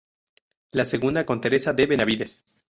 La segunda con Teresa de Benavides.